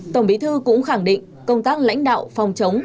tổng bí thư cũng khẳng định công tác lãnh đạo phòng chống